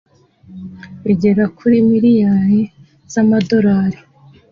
bigera kuri miliyari z Amadorali